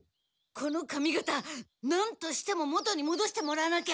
この髪型なんとしても元にもどしてもらわなきゃ。